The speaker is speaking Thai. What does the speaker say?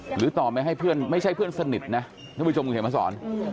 หรือต่อไม่ให้เพื่อนไม่ใช่เพื่อนสนิทนะท่านผู้ชมคุณเขียนมาสอน